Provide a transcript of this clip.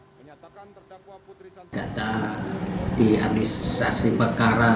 dari data diadisasi pekara